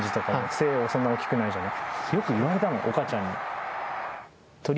背はそんなに大きくないじゃない。